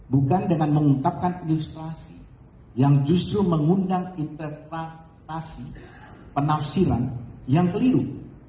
bukan dengan mengungkapkan ilustrasi yang justru mengundang interpretasi penafsiran yang keliru